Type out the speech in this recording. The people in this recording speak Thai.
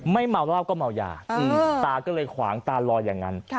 เมาเหล้าก็เมายาตาก็เลยขวางตาลอยอย่างนั้น